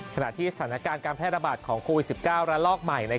ขณะที่สถานการณ์การแพร่ระบาดของโควิด๑๙ระลอกใหม่